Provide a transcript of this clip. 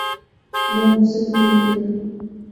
نہ موسیقی ممکن ہے۔